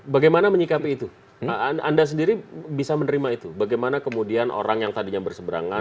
bagaimana menyikapi itu anda sendiri bisa menerima itu bagaimana kemudian orang yang tadinya berseberangan